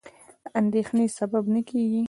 د اندېښنې سبب نه کېږي.